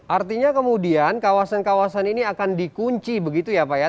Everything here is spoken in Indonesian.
artinya kemudian kawasan kawasan ini akan dikunci begitu ya pak ya